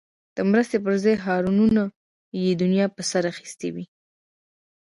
د مرستې پر ځای هارنونو یې دنیا په سر اخیستی وي.